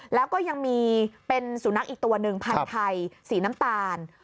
แล้วก็ยังมีเป็นสุนัขอีกตัวหนึ่งพันธุ์ไทยสีน้ำตาล